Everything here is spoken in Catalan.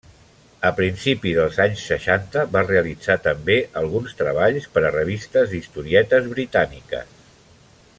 A principis dels anys seixanta va realitzar també alguns treballs per a revistes d'historietes britàniques.